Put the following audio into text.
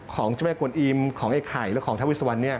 ของเจ้าแม่กวนอิมของไอ้ไข่และของท้าเวสวัน